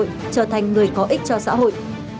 trở thành người có ích cho xã hội